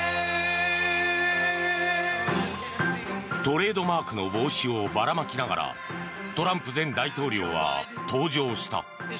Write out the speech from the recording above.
トレードマークの帽子をばらまきながらトランプ前大統領は登場した。